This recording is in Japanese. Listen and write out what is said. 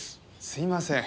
すいません。